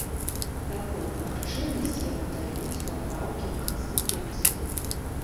Такую магчымасць яму даюць папраўкі ў канстытуцыю.